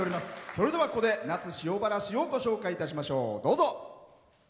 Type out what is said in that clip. それではここで那須塩原市をご紹介いたしましょう。